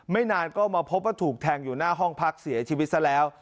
นานก็มาพบว่าถูกแทงอยู่หน้าห้องพักเสียชีวิตซะแล้ว